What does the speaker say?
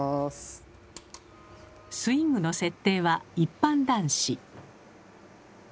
スイングの設定は一般男子。